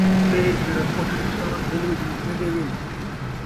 اَتے جِہڑا کُجھ تُساں دِل وِچ لُکین٘دے وے ۔